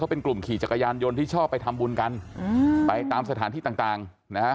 เป็นกลุ่มขี่จักรยานยนต์ที่ชอบไปทำบุญกันอืมไปตามสถานที่ต่างต่างนะฮะ